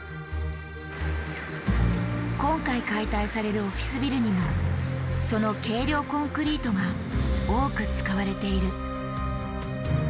今回解体されるオフィスビルにもその軽量コンクリートが多く使われている。